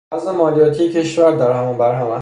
وضع مالیاتی کشور در هم و برهم است.